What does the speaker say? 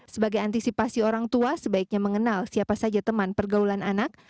sebagai antisipasi orang tua sebaiknya mengenal siapa saja teman pergaulan anak